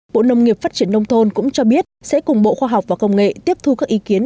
bộ nông nghiệp phát triển nông thôn cũng cho biết sẽ cùng bộ khoa học và công nghệ tiếp thu các ý kiến